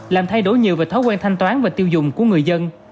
làm thay đổi nhiều về thói quen thanh toán và tiêu dùng của người dân